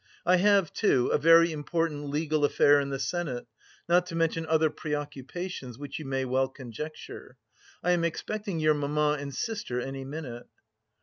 I have, too, a very important legal affair in the Senate, not to mention other preoccupations which you may well conjecture. I am expecting your mamma and sister any minute."